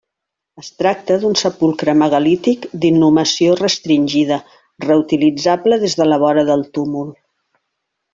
Es tracta d'un sepulcre megalític d'inhumació restringida, reutilitzable des de la vora del túmul.